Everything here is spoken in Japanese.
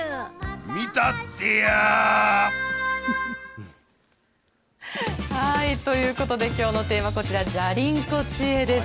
見たってや。ということできょうのテーマこちらでじゃりン子チエです。